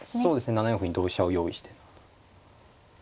７四歩に同飛車を用意して。